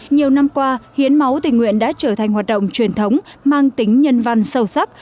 nhiều năm qua hiến máu tình nguyện đã trở thành hoạt động truyền thống mang tính nhân văn sâu sắc